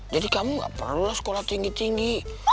jadi kamu nggak perlu lah sekolah tinggi tinggi